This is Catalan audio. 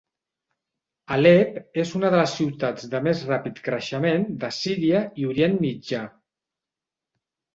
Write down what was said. Alep és una de les ciutats de més ràpid creixement de Síria i Orient Mitjà.